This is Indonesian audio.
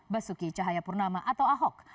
basuki cahayapurnama atau ahok